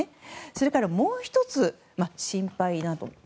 それからもう１つ、心配なこと